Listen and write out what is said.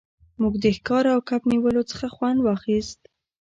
موږ د ښکار او کب نیولو څخه خوند واخیست